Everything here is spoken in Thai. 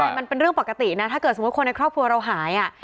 ใช่มันเป็นเรื่องปกตินะถ้าเกิดสมมุติคนในครอบครัวเราหาย